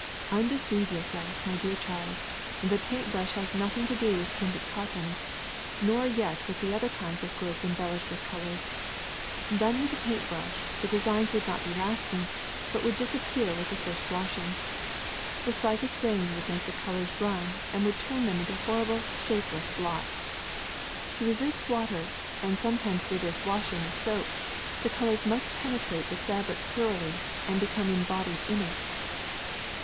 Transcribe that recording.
'Undeceive yourself, my dear child: the paint brush has nothing to do with printed cottons, nor yet with the other kinds of goods embellished with colors. Done with a paint brush, the designs would not be lasting, but would disappear with the first washing. The slightest rain would make the colors run and would turn them into horrible shapeless blots. To resist water, and sometimes vigorous washing with soap, the colors must penetrate the fabric thoroughly and become embodied in it.